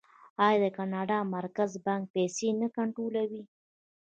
آیا د کاناډا مرکزي بانک پیسې نه کنټرولوي؟